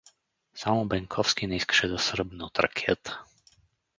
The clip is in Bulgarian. Само Бенковски не искаше да сръбне от ракията.